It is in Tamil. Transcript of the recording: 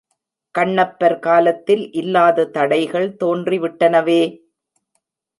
கண்ணப்பர் காலத்தில் இல்லாத தடைகள் தோன்றிவிட்டனவே!